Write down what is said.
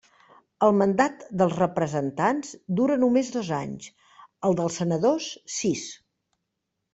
El mandat dels representants dura només dos anys; el dels senadors, sis.